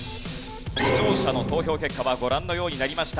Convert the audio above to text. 視聴者の投票結果はご覧のようになりました。